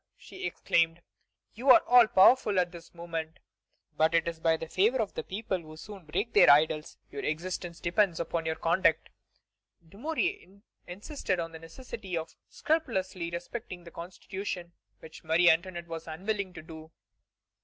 she exclaimed, "you are all powerful at this moment, but it is by the favor of the people, who soon break their idols. Your existence depends upon your conduct." Dumouriez insisted on the necessity of scrupulously respecting the Constitution, which Marie Antoinette was unwilling to do.